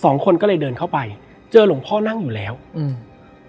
สองคนก็เลยเดินเข้าไปเจอหลวงพ่อนั่งอยู่แล้วอืม